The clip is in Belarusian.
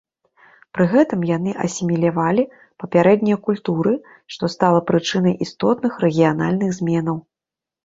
Пры гэтым яны асімілявалі папярэднія культуры, што стала прычынай істотных рэгіянальных зменаў.